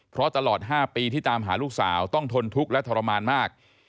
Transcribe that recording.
เพราะตลอด๕ปีที่ตามหาลูกสาวต้องทนทุกข์และทรมานมาก